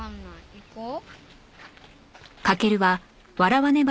行こう。